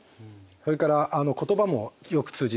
それから言葉もよく通じない。